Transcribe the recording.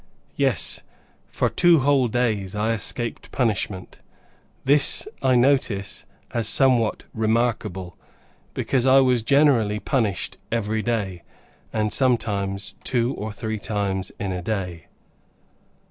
Yes, for two whole days, I escaped punishment. This I notice as somewhat remarkable, because I was generally punished every day, and sometimes two or three times in a day.